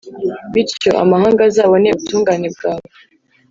bityo, amahanga azabone ubutungane bwawe,